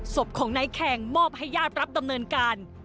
ศพของนายแข่งมอบให้ญาติรับดำเนินการ